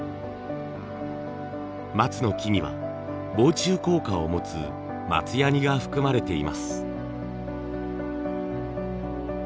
松の木には防虫効果を持つ松ヤニが含まれています。